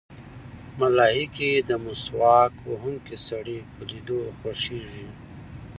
ملایکې د مسواک وهونکي سړي په لیدو خوښېږي.